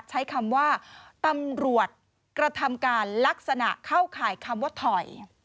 ใช้คำว่าตำรวจกระทำการลักษณะเข้าข่ายคำว่าถอย